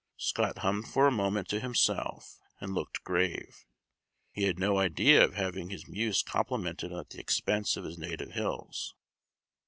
Scott hummed for a moment to himself, and looked grave; he had no idea of having his muse complimented at the expense of his native hills.